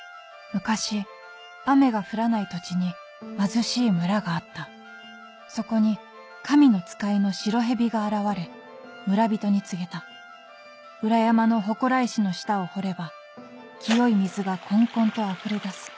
昔雨が降らない土地に貧しい村があったそこに神の使いの白蛇が現れ村人に告げた「裏山の祠石の下を掘れば清い水がこんこんとあふれ出す」